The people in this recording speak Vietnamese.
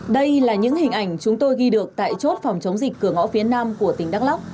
đây là những hình ảnh chúng tôi ghi được tại chốt phòng chống dịch cửa ngõ phía nam của tỉnh đắk lắc